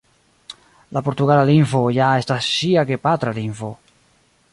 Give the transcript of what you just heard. La portugala lingvo ja estas ŝia gepatra lingvo.